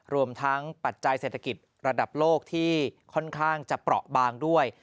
รวมทั้งปัจจัยเศรษฐกิจระดับโลกที่ค่อนข้างจะเปราะบางด้วย